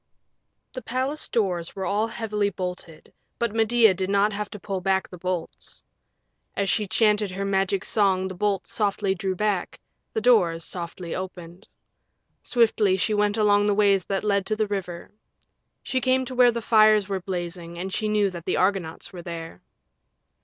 The palace doors were all heavily bolted, but Medea did not have to pull back the bolts. As she chanted her Magic Song the bolts softly drew back, the doors softly opened. Swiftly she went along the ways that led to the river. She came to where fires were blazing and she knew that the Argonauts were there.